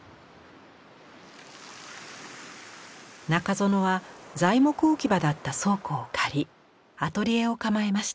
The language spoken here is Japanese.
中園は材木置き場だった倉庫を借りアトリエを構えました。